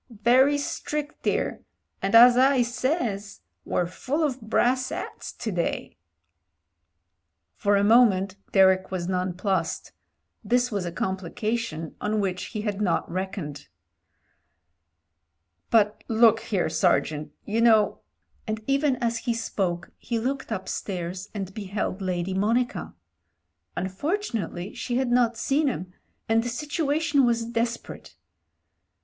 Very strict 'ere, and as I says we're full of brass 'ats to day." JAMES HENRY 231 For a moment Derek was nonplussed; this was a complication oa which he had not reckoned. "But look here, Sergeant, you know ..." and even as he spoke he looked upstairs and beheld Lady Monica. Unfortunately she had not seen him, and the situation was desperate.